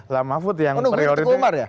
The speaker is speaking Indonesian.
lah mahfud yang prioritasnya